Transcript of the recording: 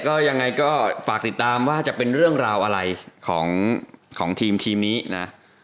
ก็ยังไงก็ฝากติดตามว่าจะเป็นเรื่องราวอะไรของทีมนี้นะ